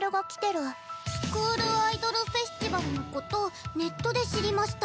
「スクールアイドルフェスティバルのことネットで知りました。